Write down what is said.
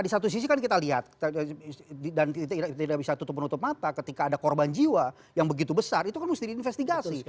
di satu sisi kan kita lihat dan tidak bisa tutup penutup mata ketika ada korban jiwa yang begitu besar itu kan mesti diinvestigasi